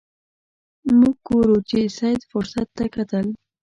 موږ ګورو چې سید فرصت ته کتل.